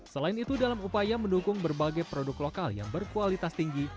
selain itu dalam upaya mendukung berbagai produk lokal yang berkualitas tinggi